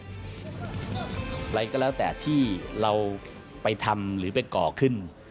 อะไรก็แล้วแต่ที่เราไปทำหรือไปก่อขึ้น